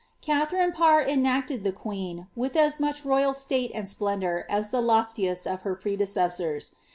Katharine Parr enacted the queen, with as much royal state and splen dour as tJie toftieat of her predecessors.